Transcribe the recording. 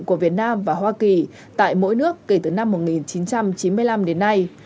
của việt nam và hoa kỳ tại mỗi nước kể từ năm một nghìn chín trăm chín mươi năm đến nay